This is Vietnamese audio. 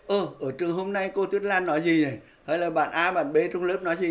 ơ ở trường hôm nay cô tuyết lan nói gì rồi hay là bạn a bạn b trong lớp nói gì